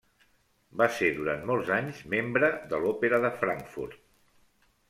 Va ser durant molts anys membre de l'Òpera de Frankfurt.